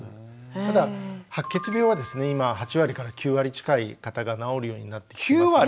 ただ白血病はですね今は８割から９割近い方が治るようになってきています。